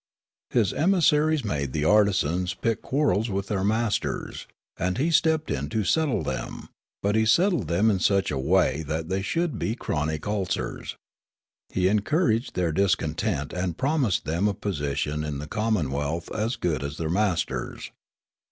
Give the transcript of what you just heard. His emissaries made the artisans pick quarrels with their masters, and he stepped in to settle them ; but he settled them in such a wa}^ that they should be chronic ulcers. He encouraged their dis content and promised them a position in the common wealth as good as their masters.